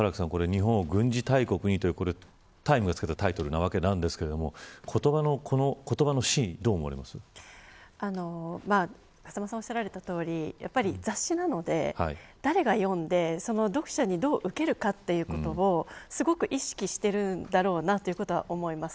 日本を軍事大国にというタイムがつけたタイトルなんですが、言葉のこの風間さんがおっしゃられたとおり雑誌なので、誰が読んで読者にどう受けるかということをすごく意識しているんだろうなということは思います。